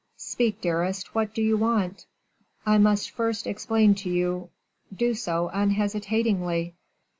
"Speak, dearest, what do you want?" "I must first explain to you " "Do so unhesitatingly."